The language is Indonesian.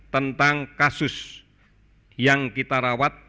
tentang kasus yang kita rawat